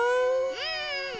うん！